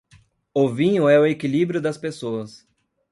O vinho é o equilíbrio das pessoas.